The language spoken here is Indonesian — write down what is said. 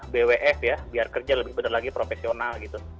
bwf ya biar kerja lebih benar lagi profesional gitu